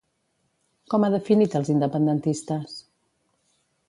Com ha definit als independentistes?